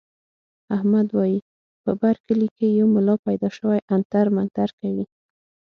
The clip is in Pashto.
احمد وايي په بر کلي کې یو ملا پیدا شوی عنتر منتر کوي.